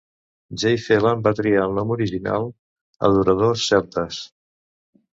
J. Phelan va triar el nom original "Adoradors celtes".